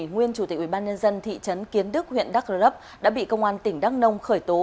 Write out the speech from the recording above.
nguyên chủ tịch ubnd thị trấn kiến đức huyện đắk rơ lấp đã bị công an tỉnh đắk nông khởi tố